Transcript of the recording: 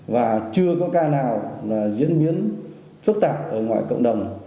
và chưa có ca nào diễn biến phức tạp ở ngoài cộng đồng